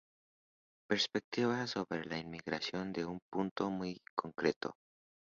perspectiva sobre la inmigración en un punto muy concreto